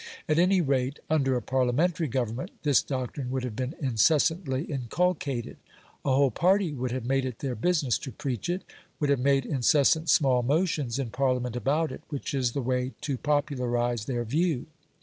At any rate, under a Parliamentary government this doctrine would have been incessantly inculcated; a whole party would have made it their business to preach it, would have made incessant small motions in Parliament about it, which is the way to popularise their view.